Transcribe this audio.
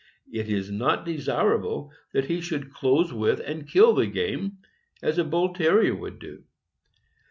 It is not desirable that he should close with and kill the game, as a Bull Terrier would do.